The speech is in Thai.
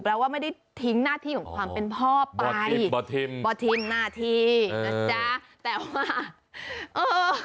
ว่าไม่ได้ทิ้งหน้าที่ของความเป็นพ่อไปบ่ทิมบ่ทิมหน้าที่นะจ๊ะแต่ว่าเออ